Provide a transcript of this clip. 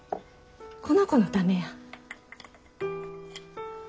この子のためや。